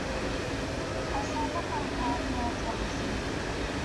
I suffer from carpal tunnel syndrome.